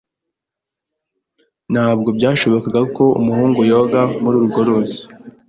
Ntabwo byashobokaga ko umuhungu yoga muri urwo ruzi.